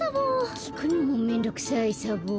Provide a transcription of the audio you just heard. きくのもめんどくさいサボ。